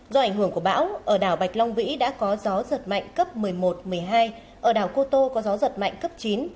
do ảnh hưởng của bão ở đảo bạch long vĩ đã có gió giật mạnh cấp một mươi một một mươi hai ở đảo cô tô có gió giật mạnh cấp chín